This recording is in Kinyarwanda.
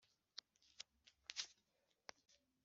batazi ubuntu bwa yesu,